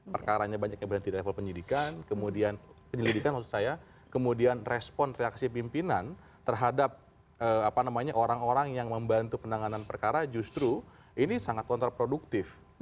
perkaranya banyak yang berhenti di level penyidikan kemudian penyelidikan maksud saya kemudian respon reaksi pimpinan terhadap orang orang yang membantu penanganan perkara justru ini sangat kontraproduktif